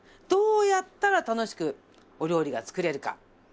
どうやったら楽しくお料理が作れるか。